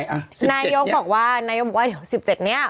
นายโยคที่๑๗นี้